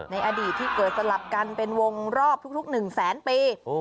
ในอดีตที่เกิดสลับกันเป็นวงรอบทุก๑แสนปี